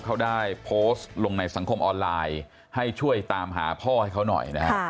เขาได้โพสต์ลงในสังคมออนไลน์ให้ช่วยตามหาพ่อให้เขาหน่อยนะฮะ